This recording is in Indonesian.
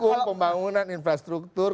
dukung pembangunan infrastruktur